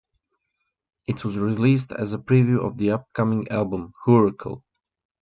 It was released as a preview of the upcoming album "Whoracle".